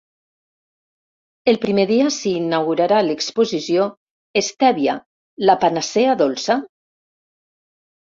El primer dia s’inaugurarà l’exposició ‘Estèvia, la panacea dolça?’.